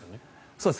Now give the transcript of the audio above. そうです。